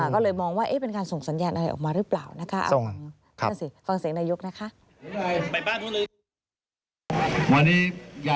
ก็เลยมองว่าเป็นการส่งสัญญาณอะไรออกมาหรือเปล่านะคะ